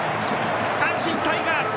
阪神タイガース